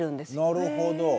なるほど。